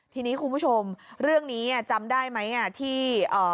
ทีนี้คุณผู้ชมเรื่องนี้จำได้ไหมที่